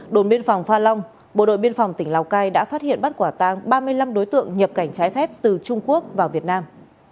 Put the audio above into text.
đồn biên phòng pha long bộ đội biên phòng tỉnh lào cai đã phát hiện bắt quả tang ba mươi năm đối tượng nhập cảnh trái phép từ trung quốc vào việt nam